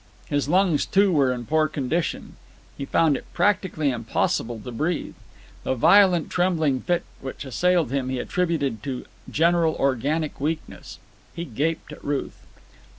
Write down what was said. His lungs, too, were in poor condition; he found it practically impossible to breathe. The violent trembling fit which assailed him he attributed to general organic weakness. He gaped at Ruth.